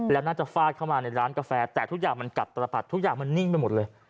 แล้วน่าจะฟาดเข้ามาในร้านกาแฟแต่ทุกอย่างมันกัดตลปัดทุกอย่างมันนิ่งไปหมดเลย